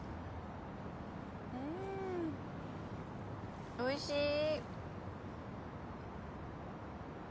うんおいしい。